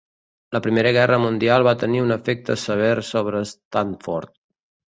La Primera Guerra Mundial va tenir un efecte sever sobre Stanford.